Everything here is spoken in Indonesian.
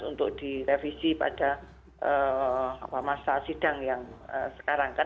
untuk direvisi pada masa sidang yang sekarang kan